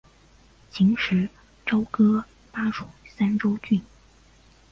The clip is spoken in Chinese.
秦时朝歌邑属三川郡。